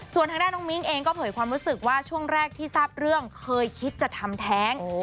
ส่วนทางด้านน้องมิ้งเองก็เผยความรู้สึกว่าช่วงแรกที่ทราบเรื่องเคยคิดจะทำแท้ง